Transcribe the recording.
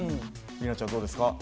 里奈ちゃんどうですか？